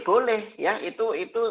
boleh ya itu